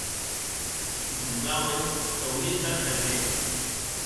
Li semblaue qu’auie estat ager.